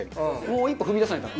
もう一歩踏み出さないと。